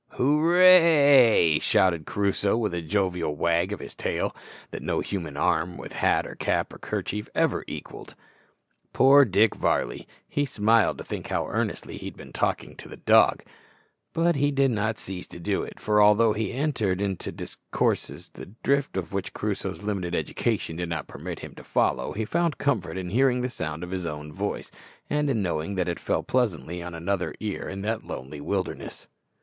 "Hoora a a y!" shouted Crusoe, with a jovial wag of his tail, that no human arm with hat, or cap, or kerchief ever equalled. Poor Dick Varley! He smiled to think how earnestly he had been talking to the dog; but he did not cease to do it, for although he entered into discourses the drift of which Crusoe's limited education did not permit him to follow, he found comfort in hearing the sound of his own voice, and in knowing that it fell pleasantly on another ear in that lonely wilderness.